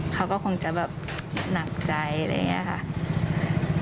เขาก็คงจะแบบหนักใจอะไรอย่างนี้ค่ะ